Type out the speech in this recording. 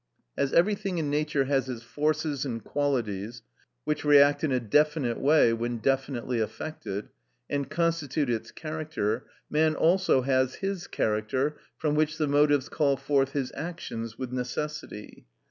As everything in Nature has its forces and qualities, which react in a definite way when definitely affected, and constitute its character, man also has his character, from which the motives call forth his actions with necessity.